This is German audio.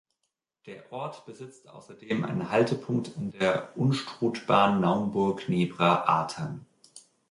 Der Ort besitzt außerdem einen Haltepunkt an der Unstrutbahn Naumburg–Nebra–Artern.